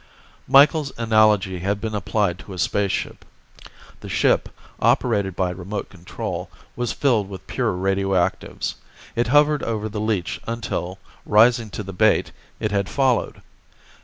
Micheals' analogy had been applied to a spaceship. The ship, operated by remote control, was filled with pure radioactives. It hovered over the leech until, rising to the bait, it had followed.